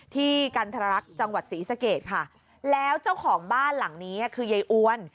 ที่กันทรรักษ์จังหวัดศรีสะเกดค่ะแล้วเจ้าของบ้านหลังนี้คือยายอ้วน